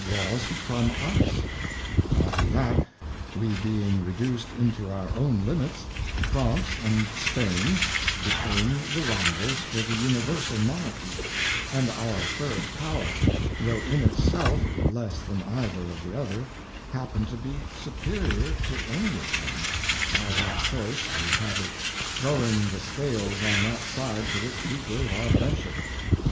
Laws from us ; after that we being reduc'd into our own Limits, France and Spain became the Rivals for the Universal Monarchy, and our third Power, tho in it self less than either of the other, hapned to be Superiour to any of them, by that choice we had of throw ing the Scales on that side to which we gave our Friendship.